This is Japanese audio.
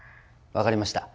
分かりました。